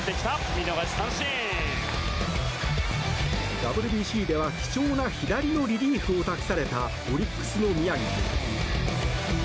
ＷＢＣでは貴重な左のリリーフを託されたオリックスの宮城。